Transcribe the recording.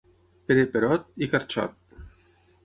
Pere, Perot... I carxot.